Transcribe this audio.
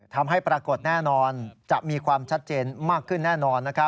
ปรากฏแน่นอนจะมีความชัดเจนมากขึ้นแน่นอน